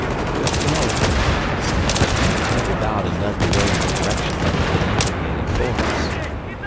"We'll go." And he turned about and led the way in the direction that had been indicated for us.